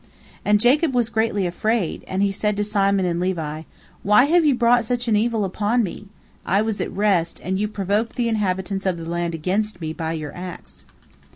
And Jacob was greatly afraid, and he said to Simon and Levi, "Why have you brought such evil upon me? I was at rest, and you provoked the inhabitants of the land against me by your acts."